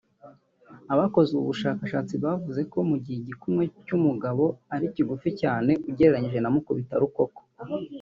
Abakoze ubu bushakashatsi bavuze ko mu gihe igikumwe cy’umugabo ari kigufi cyane ugereranije na mukibitarukoko